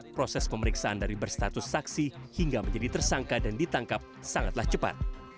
proses pemeriksaan dari berstatus saksi hingga menjadi tersangka dan ditangkap sangatlah cepat